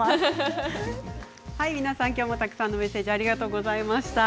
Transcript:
皆さんきょうもたくさんのメッセージありがとうございました。